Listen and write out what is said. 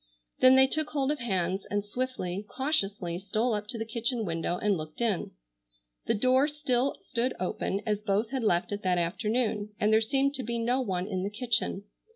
Then they took hold of hands and swiftly, cautiously, stole up to the kitchen window and looked in. The door still stood open as both had left it that afternoon, and there seemed to be no one in the kitchen.